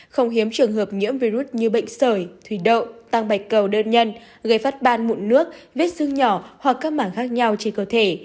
không hiếm trường hợp nhiễm virus như bệnh sởi thủy đậu tăng bạch cầu đơn nhân gây phát ban mụn nước vết xương nhỏ hoặc các mảng khác nhau trên cơ thể